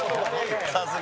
さすが。